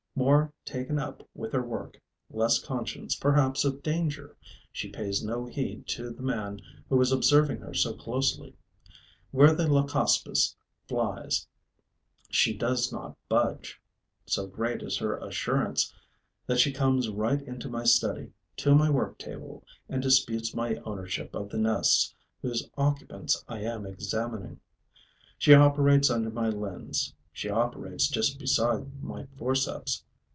More taken up with her work, less conscious perhaps of danger, she pays no heed to the man who is observing her so closely. Where the Leucospis flies, she does not budge. So great is her assurance that she comes right into my study, to my work table, and disputes my ownership of the nests whose occupants I am examining. She operates under my lens, she operates just beside my forceps.